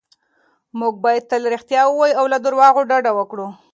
موږ باید تل رښتیا ووایو او له درواغو ډډه وکړو.